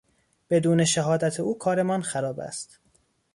بدون شهادت او کارمان خراب است.